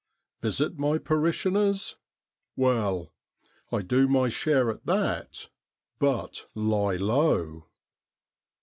Visit my parishioners? Well ! I do my share at that but lie low!'